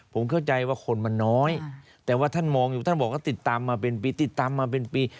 ผมเข้าใจว่าคนมันน้อยแต่ว่าท่านมองอยู่ท่านบอกว่าติดตามมาเป็นปีติดตามมาเป็นปี